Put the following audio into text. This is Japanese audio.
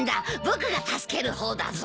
僕が助ける方だぞ。